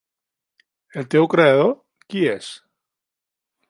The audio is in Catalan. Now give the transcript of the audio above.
El teu creador, qui és?